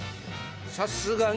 さすがに。